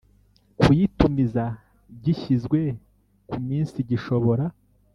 kuyitumiza gishyizwe ku minsi Gishobora